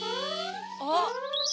あっ。